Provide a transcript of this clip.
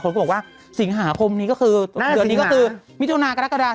ก็บอกว่าสิงหาคมนี้ก็คือเดือนนี้ก็คือมิถุนากรกฎา